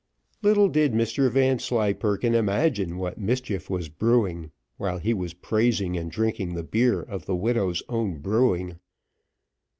Little did Mr Vanslyperken imagine what mischief was brewing, while he was praising and drinking the beer of the widow's own brewing.